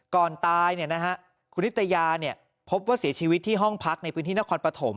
ก่อนตายคุณนิตยาพบว่าเสียชีวิตที่ห้องพักในพื้นที่นครปฐม